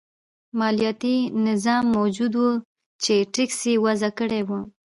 مالیاتي نظام موجود و چې ټکس یې وضعه کړی و.